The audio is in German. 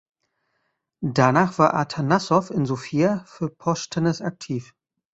Danach war Atanassow in Sofia für Poshtenez aktiv.